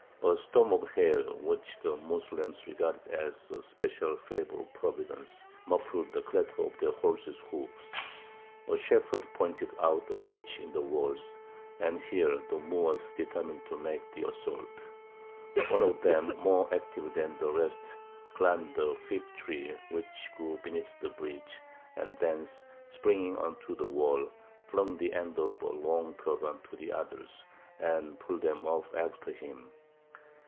A storm of hail, which the Moslems regarded as a special favour of Providence, muffled the clatter of their horses' hoofs. A shepherd pointed out a breach in the walls, and here the Moors determined to make the assault. One of them, more active than the rest, climbed a fig tree which grew beneath the breach, and thence, springing on to the wall, flung the end of a long turban to the others, and pulled them up after him.